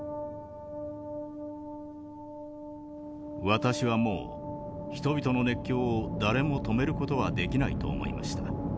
「私はもう人々の熱狂を誰も止める事はできないと思いました。